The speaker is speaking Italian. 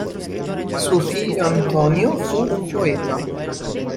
Suo figlio Antonio fu un poeta.